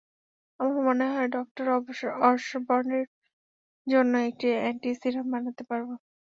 আমি মনে হয় ডক্টর অসবর্নের জন্য একটা অ্যান্টি-সিরাম বানাতে পারবো।